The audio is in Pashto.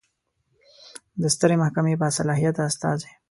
د سترې محکمې باصلاحیته استازی